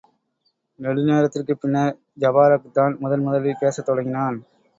நெடுநேரத்திற்குப் பின்னர் ஜபாரக்தான் முதன் முதலில் பேசத் தொடங்கினான்.